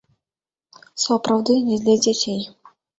Сапраўды, не для дзяцей!